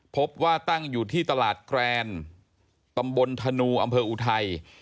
พบว่าตั้งอยู่ที่ตลาดแกรนตำบลธนูอำเภออุทัย